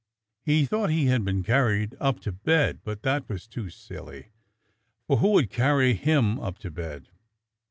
He thought he had been carried up to bed, but that was too silly, for who would carry him up to bed.